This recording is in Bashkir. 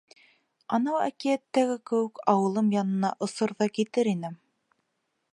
Анау әкиәттәге кеүек, ауылым янына осор ҙа китер инем.